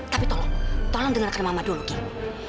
tapi tolong tolong dengarkan mama dulu kira